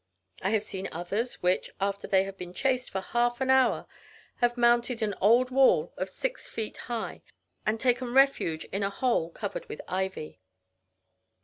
I have seen others, which, after they had been chased for half an hour, have mounted an old wall of six feet high, and taken refuge in a hole covered with ivy."